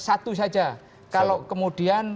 satu saja kalau kemudian